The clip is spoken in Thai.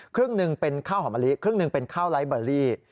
ครึ่งหนึ่งเป็นข้าวหอมมะลิครึ่งหนึ่งเป็นข้าวไลฟ์เบอร์รี่